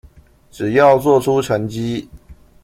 只要做出成績